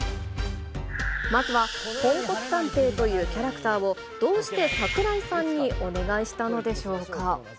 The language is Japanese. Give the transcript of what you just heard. まずはポンコツ探偵というキャラクターを、どうして櫻井さんにお願いしたでしょうか。